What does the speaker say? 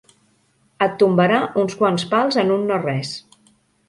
Et tombarà uns quants pals en un no-res.